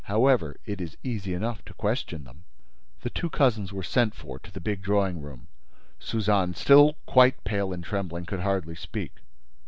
However, it is easy enough to question them." The two cousins were sent for to the big drawing room. Suzanne, still quite pale and trembling, could hardly speak.